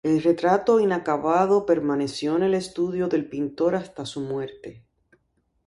El retrato inacabado permaneció en el estudio del pintor hasta su muerte.